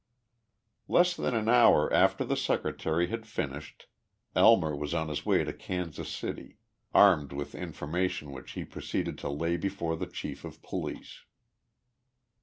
Less than an hour after the secretary had finished, Elmer was on his way to Kansas City, armed with information which he proceeded to lay before the chief of police.